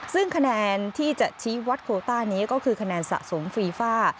ซึ่งคะแนนที่จะชี้วัดโคต้านี้ก็คือคะแนนสะสมฟีฟ่า